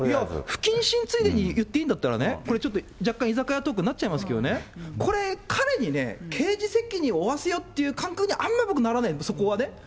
不謹慎ついでに言っていいんだったらね、これ、ちょっと若干、居酒屋トークになっちゃいますけどね、これ、彼に刑事責任を負わせようという感覚に、あまり僕ならないんです。